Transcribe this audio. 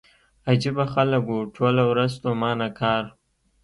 عجيبه خلک وو ټوله ورځ ستومانه کار.